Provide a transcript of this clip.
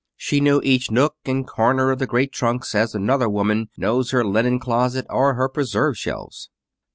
She knew each nook and corner of the great trunks as another woman knows her linen closet or her preserve shelves.